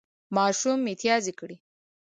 ماشوم متیازې کړې